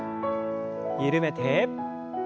緩めて。